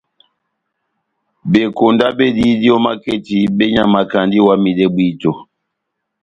Bekonda bediyidi ó maketi benyamakandi iwamidɛ bwíto.